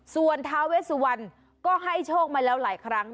ส่วนท้าเวสวันก็ให้โชคมาแล้วหลายครั้ง